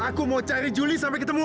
aku mau cari juli sampai ketemu